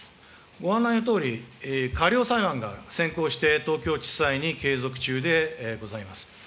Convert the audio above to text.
ご案内のとおり、過料裁判が先行して東京地裁にけいぞく中でございます。